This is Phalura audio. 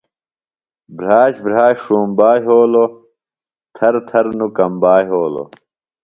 بھراش، بھراش ݜُومبا یھولوۡ، تھر تھر نوۡ کمبا یھولوۡ